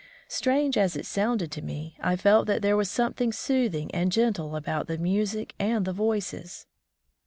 Strange as it sounded to me, I felt that there was something soothing and gentle about the music and the voices.